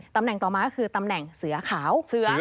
ตำแหน่งต่อมาก็คือตำแหน่งเสือขาวเสือ